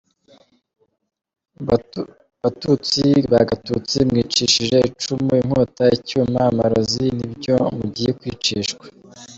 Batutsi ba Gatutsi, mwicishije icumu, inkota, icyuma, amarozi, ni byo mugiye kwicishwa.